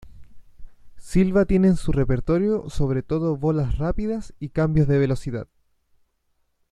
Silva tiene en su repertorio sobre todo bolas rápidas y cambios de velocidad.